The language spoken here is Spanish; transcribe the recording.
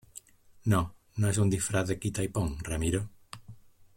no, no es un disfraz de quita y pon , Ramiro.